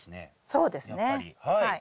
そうですねはい。